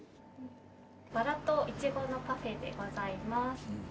バラといちごのパフェでございます。